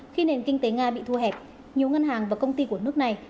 khi nền kinh tế nga bị thu hẹp nhiều ngân hàng và công ty của nước này